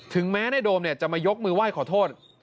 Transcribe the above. แม้ในโดมจะมายกมือไหว้ขอโทษ